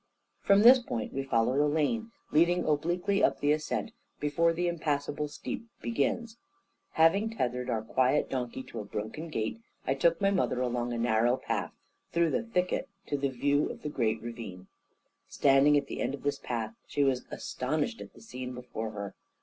From this point we followed a lane, leading obliquely up the ascent, before the impassable steep begins. Having tethered our quiet donkey to a broken gate, I took my mother along a narrow path through the thicket to the view of the great ravine. Standing at the end of this path, she was astonished at the scene before her.